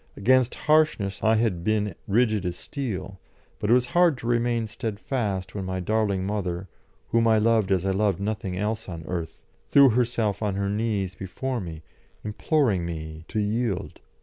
Against harshness I had been rigid as steel, but it was hard to remain steadfast when my darling mother, whom I loved as I loved nothing else on earth, threw herself on her knees before me, imploring me to yield.